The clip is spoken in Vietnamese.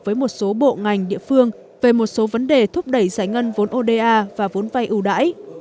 với một số bộ ngành địa phương về một số vấn đề thúc đẩy giải ngân vốn oda và vốn vay ưu đãi